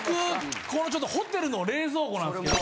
このちょっと「ホテルの冷蔵庫」なんすけど。